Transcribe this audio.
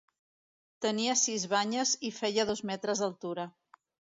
Tenia sis banyes i feia dos metres d'altura.